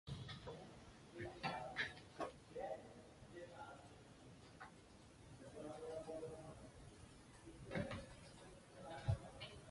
His eldest son Charles Leigh Adderley succeeded him in the barony.